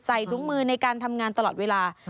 ถุงมือในการทำงานตลอดเวลา